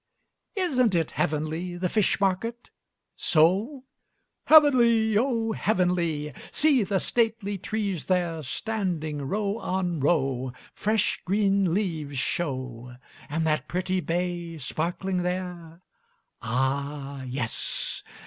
Isn't it heavenly the fish market? So? "Heavenly, oh heavenly!" "See the stately trees there, standing row on row, Fresh, green leaves show! And that pretty bay Sparkling there?" "Ah yes!"